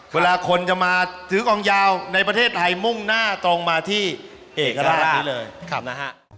เวลาคนจะมาถือกองยาวในประเทศไทยมุ่งหน้าตรงมาที่เอกราชนี้เลยนะฮะ